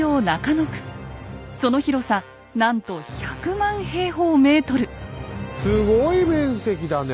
その広さなんとすごい面積だね。